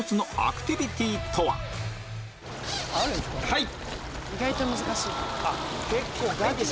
はい！